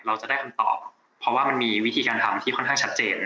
เราจะได้คำตอบเพราะว่ามันมีวิธีการทำที่ค่อนข้างชัดเจน